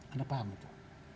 anda paham itu